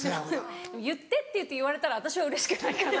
「言って」って言って言われたら私はうれしくないかな。